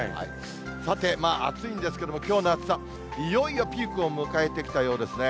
さて、暑いんですけれども、きょうの暑さ、いよいよピークを迎えてきたようですね。